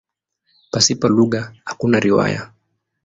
Pasipo lugha hakuna riwaya.